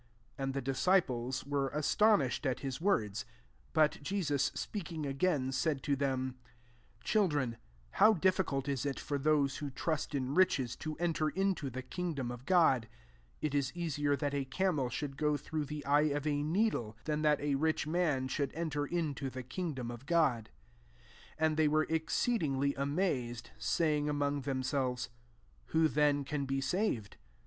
24 And the disciples were iStonished at his words. But esus speaking again, said to hem, «« Children, how difficult 8 it for those who trust in rich », to enter into the kingdom of 7od2 35 It is easier that a amel should ^o through [the] ye of a needle, than that a rich aan shouM enter into the king om of Crod/* 26 And they were xceedingly amazed, saying mong themselves, *« Who then an be saved